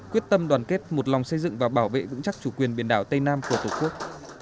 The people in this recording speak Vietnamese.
quyết tâm đoàn kết một lòng xây dựng và bảo vệ vững chắc chủ quyền biển đảo tây nam của tổ quốc